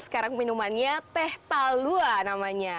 sekarang minumannya teh talua namanya